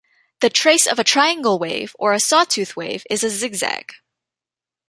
The trace of a triangle wave or a sawtooth wave is a zigzag.